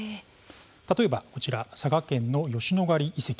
例えば、こちら佐賀県の吉野ヶ里遺跡。